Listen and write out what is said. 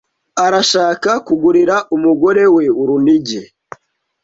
Arashaka kugurira umugore we urunigi.